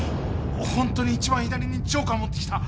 ホントに一番左にジョーカー持ってきた。